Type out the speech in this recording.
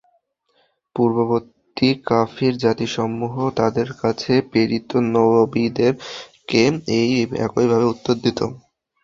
পূর্ববর্তী কাফির জাতিসমূহও তাদের কাছে প্রেরিত নবীদেরকে এই একইভাবে উত্তর দিত।